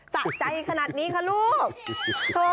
สะใจขนาดนี้คะลูก